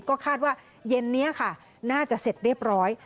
ก็คาดว่าเย็นนี้ค่ะน่าจะเสร็จเรียบร้อย